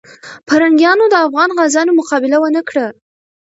پرنګیانو د افغان غازیانو مقابله ونه کړه.